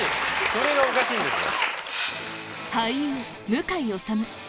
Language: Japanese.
それがおかしいんですよ！